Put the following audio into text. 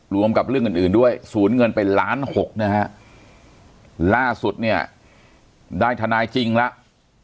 กับเรื่องอื่นอื่นด้วยศูนย์เงินไปล้านหกนะฮะล่าสุดเนี่ยได้ทนายจริงแล้ว